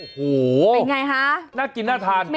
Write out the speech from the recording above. โอ้โหน่ากินน่าทานค่ะค่ะเป็นอย่างไรฮะ